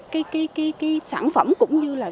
cái sản phẩm cũng như là